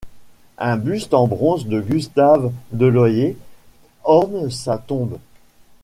Un buste en bronze de Gustave Deloye orne sa tombe.